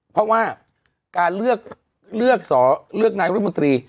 เพราะว่าการเลือกนายรัฐมนตรี